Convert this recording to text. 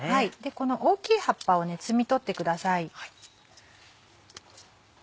この大きい葉っぱを摘み取ってください。